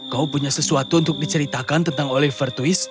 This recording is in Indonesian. kau punya sesuatu untuk diceritakan tentang oliver twist